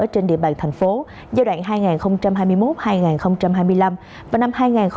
trên địa bàn tp giai đoạn hai nghìn hai mươi một hai nghìn hai mươi năm và năm hai nghìn hai mươi một hai nghìn hai mươi hai